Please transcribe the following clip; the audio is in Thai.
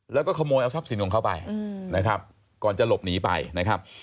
แล้วก็ขโมยเอาทรัพย์สินของเขาไปนะครับก่อนจะหลบหนีไปนะครับ